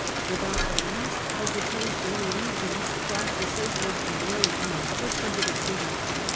Without the least hesitation the legions crossed the sacred Pomoerium and pushed into the city.